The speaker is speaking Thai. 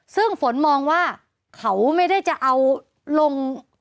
ซึ่งฝนมองว่าเขาไม่ได้จะเอาลง